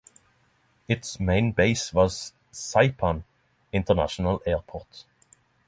Its main base was Saipan International Airport.